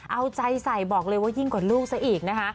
เอาใจใส่บอกเลยว่ายิ่งกว่าลูกซะอีกนะคะ